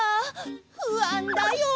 ふあんだよ！